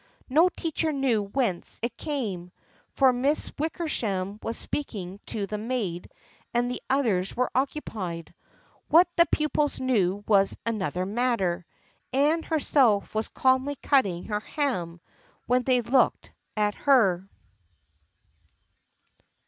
No teacher knew whence it came, for Miss Wickersham was speaking to the maid and the others were occupied. What the pupils knew was another matter. Anne herself was calmly cutting her ham when they looked at her.